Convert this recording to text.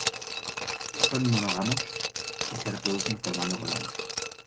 Son monógamos y se reproducen formando colonias.